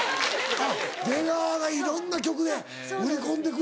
あっ出川がいろんな局で売り込んでくれた。